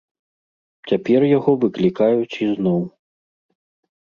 Цяпер яго выклікаюць ізноў.